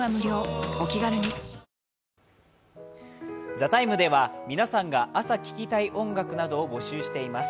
「ＴＨＥＴＩＭＥ，」では皆さんが朝聴きたい音楽などを募集しています。